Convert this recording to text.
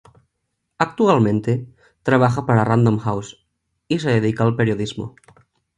Actualmente trabaja para Random House y se dedica al periodismo.